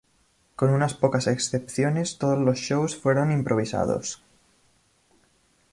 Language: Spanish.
Con unas pocas excepciones todos los shows fueron improvisados.